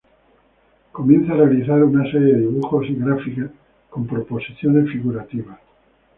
Comienza a realizar una serie de dibujos y gráfica con proposiciones figurativas.